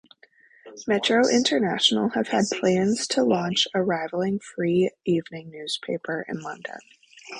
Metro International have had plans to launch a rivalling free evening newspaper in London.